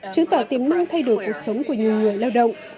chứng tỏ tiềm năng thay đổi cuộc sống của nhiều người lao động